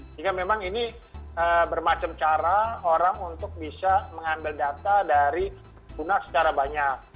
sehingga memang ini bermacam cara orang untuk bisa mengambil data dari guna secara banyak